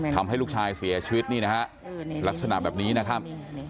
ทำให้ลูกชายเสียชีวิตนี่นะฮะลักษณะแบบนี้นะครับ